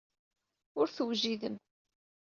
Ur tewjidem.